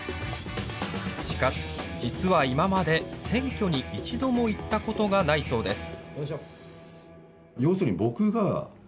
しかし実は今まで選挙に一度も行ったことがないそうです。